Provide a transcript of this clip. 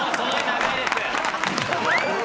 長いです。